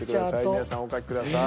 皆さんお書きください。